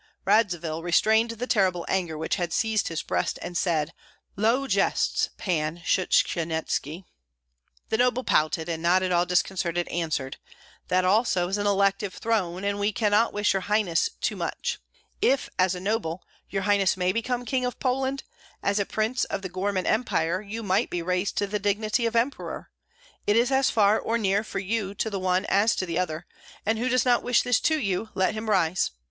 Radzivill restrained the terrible anger which had seized his breast and said, "Low jests, Pan Shchanyetski." The noble pouted, and not at all disconcerted answered: "That also is an elective throne, and we cannot wish your highness too much. If as a noble your highness may become King of Poland, as a prince of the Gorman Empire you might be raised to the dignity of Emperor. It is as far or near for you to the one as to the other; and who does not wish this to you, let him rise.